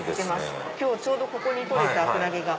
今日ちょうどここに取れたクラゲが。